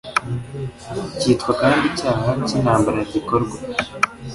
Cyitwa kandi icyaha cy intambara igikorwa